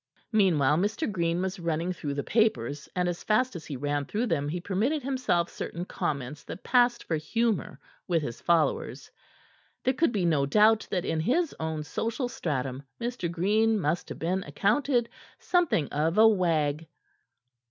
Meanwhile Mr. Green was running through the papers, and as fast as he ran through them he permitted himself certain comments that passed for humor with his followers. There could be no doubt that in his own social stratum Mr. Green must have been accounted something of a wag.